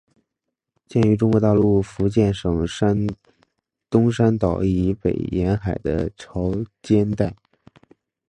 见于中国大陆福建省东山岛以北沿海的潮间带。